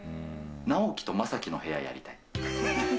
直樹と将暉の部屋やりたい。